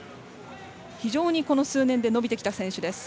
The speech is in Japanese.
非常にこの数年で伸びてきた選手です。